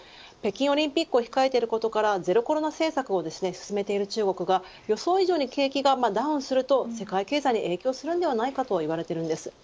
北京オリンピックを控えていることからゼロコロナ政策を進めている中国が予想以上に景気がダウンすると世界経済に影響するのではないかと言われています。